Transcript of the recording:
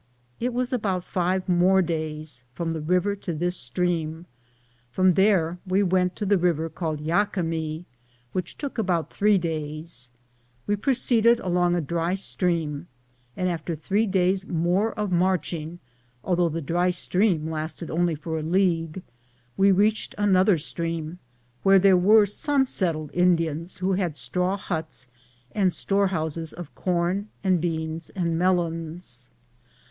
It was about five more days from the river to this stream. From there we went to the river called Yaquemi, which took about three days. We proceeded along a dry stream, and after three daye more of marching, although the dry stream lasted only for a league, we reached another stream where there were some settled Indians, who had straw huts and storehouses of corn and sit, Google the jocwnnr op oorohado beans and melons.